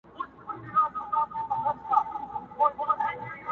او يوه ورځ د بېګانه وو په حجره کي چېرته؛